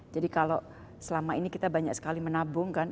jadi kalau selama ini kita banyak sekali menabungkan